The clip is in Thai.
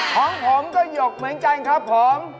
ของผมก็หยกเหมือนกันครับผม